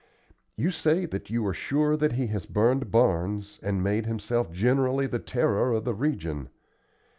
You say that you are sure that he has burned barns, and made himself generally the terror of the region.